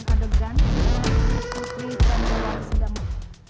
lakukan peran kandungan